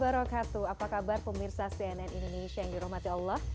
apa kabar pemirsa cnn indonesia yang dirahmati allah